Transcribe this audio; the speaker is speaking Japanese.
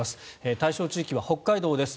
対象地域は北海道です。